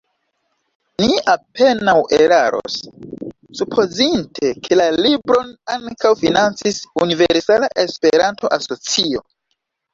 Ni apenaŭ eraros, supozinte ke la libron ankaŭ financis Universala Esperanto Asocio.